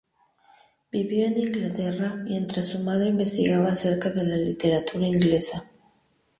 Vivió en Inglaterra mientras su madre investigaba acerca de la literatura inglesa.